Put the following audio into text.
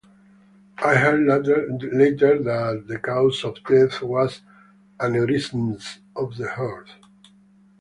I heard later that the cause of death was aneurysm of the heart.